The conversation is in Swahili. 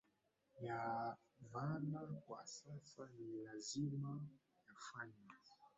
ya maana kwa sasa ni lazima yafanywe